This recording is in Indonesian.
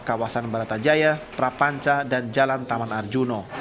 kawasan baratajaya prapanca dan jalan taman arjuna